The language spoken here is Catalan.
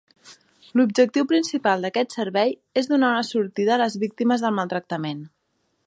L'objectiu principal d'aquest servei és donar una sortida a les víctimes del maltractament.